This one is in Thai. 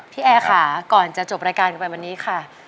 แอร์ค่ะก่อนจะจบรายการกันไปวันนี้ค่ะ